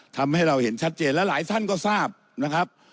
ทำให้เราเห็นชัดเจนและหลายท่านก็ทราบนะครับ